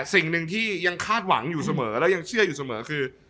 สิ่งหนึ่งที่ยังคาดหวังอยู่เสมอแล้วยังเชื่ออยู่เสมอคือ